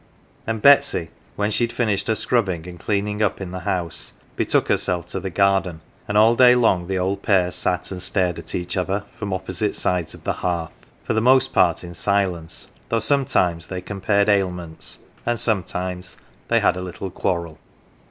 And Betsy, when she had finished her scrubbing and cleaning up in the house, betook herself to the garden ; and all day long the old pair sat and stared at each other from opposite sides of the hearth, for the most part in silence, though some times they compared ailments, and sometimes they had & little quarrel.